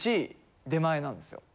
出前なんですよ。